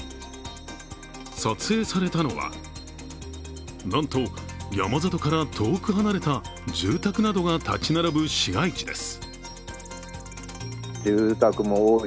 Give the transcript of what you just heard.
撮影されたのは、なんと山里から遠く離れた住宅などが立ち並ぶ市街地です。